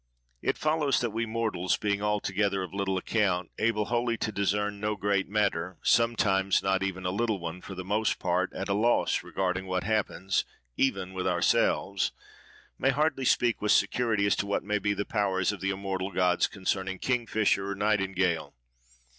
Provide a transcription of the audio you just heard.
"It follows, that we mortals, being altogether of little account, able wholly to discern no great matter, sometimes not even a little one, for the most part at a loss regarding what happens even with ourselves, may hardly speak with security as to what may be the powers of the immortal gods concerning Kingfisher, or Nightingale.